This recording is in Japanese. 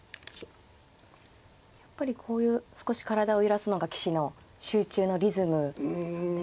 やっぱりこういう少し体を揺らすのが棋士の集中のリズムですね。